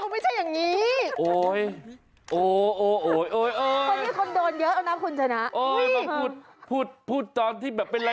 แมวตัวนี้ชื่ออะไร